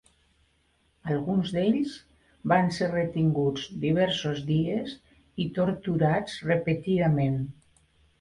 Alguns d’ells van ser retinguts diversos dies i torturats repetidament.